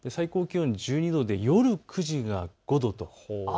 最高気温１２度で、夜９時が５度。